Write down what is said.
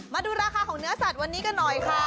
มาดูราคาของเนื้อสัตว์วันนี้กันหน่อยค่ะ